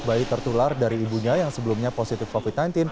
bayi tertular dari ibunya yang sebelumnya positif covid sembilan belas